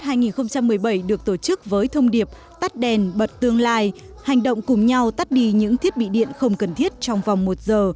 chiến dịch giờ trái đất hai nghìn một mươi bảy được tổ chức với thông điệp tắt đèn bật tương lai hành động cùng nhau tắt đi những thiết bị điện không cần thiết trong vòng một giờ